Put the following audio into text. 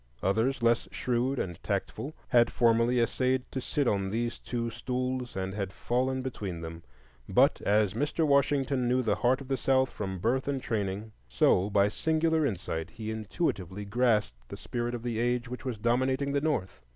Others less shrewd and tactful had formerly essayed to sit on these two stools and had fallen between them; but as Mr. Washington knew the heart of the South from birth and training, so by singular insight he intuitively grasped the spirit of the age which was dominating the North.